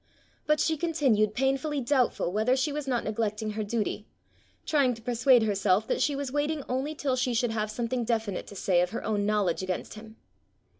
But she continued painfully doubtful whether she was not neglecting her duty, trying to persuade herself that she was waiting only till she should have something definite to say of her own knowledge against him.